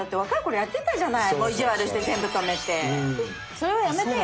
それはやめてよ。